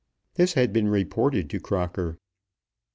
This had been reported to Crocker.